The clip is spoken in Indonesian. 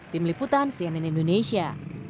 tim liputan cnn indonesia